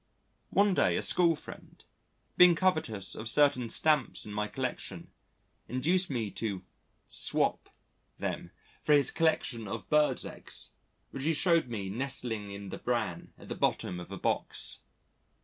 One day a school friend, being covetous of certain stamps in my collection, induced me to "swop" them for his collection of birds' eggs which he showed me nestling in the bran at the bottom of a box.